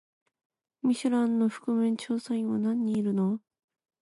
ミシュランの覆面調査員は何人いるの？